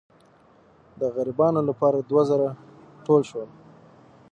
د غریبانو لپاره دوه زره ټول شول.